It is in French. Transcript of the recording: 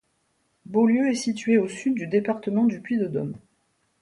Beaulieu est située au sud du département du Puy-de-Dôme.